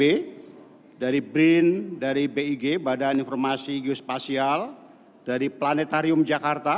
dari brin dari big badan informasi geospasial dari planetarium jakarta